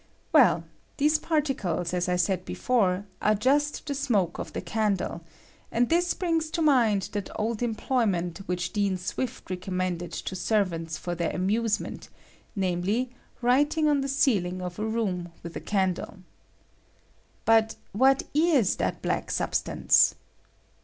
"Well, these parti I said before, arc just the smoke of the idle ; and this brings to mind that old em loyment which Dean Swift recommended to irvants for their amusement, namely, writing CAUSE OF THE LUMINOSITY OP FLAME. I ^^H on the ceiling of a room with a candle. But ^^H what is that black substance